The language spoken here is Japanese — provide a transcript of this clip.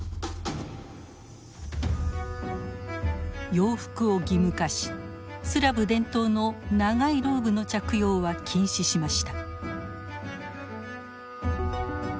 洋服を義務化しスラブ伝統の長いローブの着用は禁止しました。